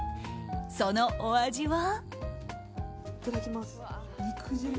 そのお味は？